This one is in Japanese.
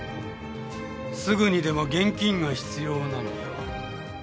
すぐにでも現金が必要なのでは？